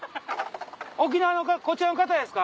沖縄のこちらの方ですか？